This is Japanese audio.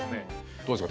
どうですか？